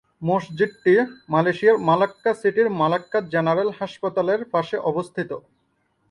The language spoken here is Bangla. মসজিদটি মালয়েশিয়ার মালাক্কা সিটির মালাক্কা জেনারেল হাসপাতালের পাশে অবস্থিত।